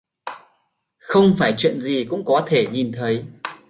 Không phải chuyện gì cũng có thể nhìn thấy